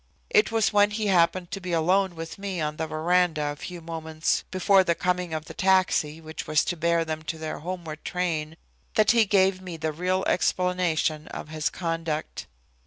It was when he happened to be alone with me on the veranda a few moments before the coming of the taxi which was to bear them to their homeward train that he gave me the real explanation of his conduct.